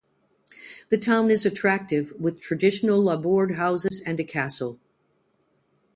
The town is attractive with traditional Labourd houses and a castle.